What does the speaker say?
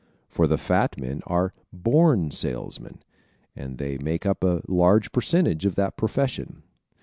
For the fat men are "born salesmen" and they make up a large percentage of that profession.